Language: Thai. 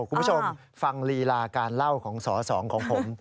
คุณผู้ชมฟังลีลาการเล่าของสอสองของผม